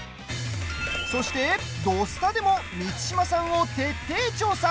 そして、「土スタ」でも満島さんを徹底調査。